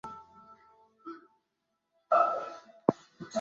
iwe sifuri wewe mama ilikuwa sifuri